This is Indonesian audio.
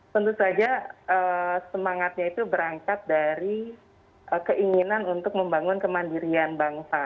tentu saja semangatnya itu berangkat dari keinginan untuk membangun kemandirian bangsa